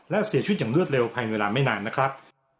และเสียชีวิตอย่างรวดเร็วภายในเวลาไม่นานนะครับ